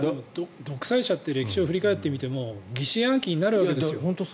独裁者って歴史を振り返ってみても疑心暗鬼になるんです。